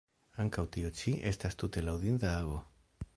Ankaŭ tio ĉi estas tute laŭdinda ago.